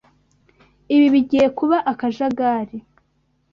Ibi bigiye kuba akajagari.